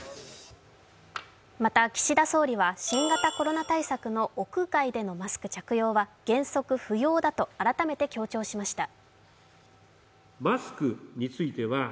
また岸田総理は新型コロナ対策の屋外のマスク着用は原則不要だと改めて強調しました。